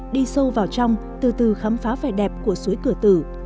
đi sâu vào trong từ từ khám phá vẻ đẹp của suối cửa tử